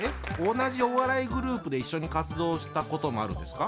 同じお笑いグループで一緒に活動したこともあるんですか？